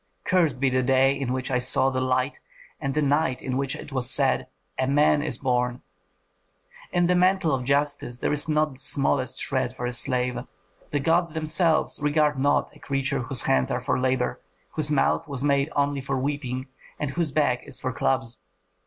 Cursed be the day in which I saw the light, and the night in which it was said, 'A man is born!' In the mantle of justice there is not the smallest shred for a slave. The gods themselves regard not a creature whose hands are for labor, whose mouth was made only for weeping, and whose back is for clubs.